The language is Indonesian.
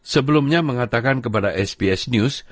sebelumnya mengatakan kepada sbs news